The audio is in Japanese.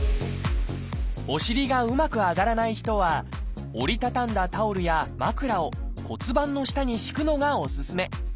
お尻がうまく上がらない人は折り畳んだタオルや枕を骨盤の下に敷くのがおすすめ。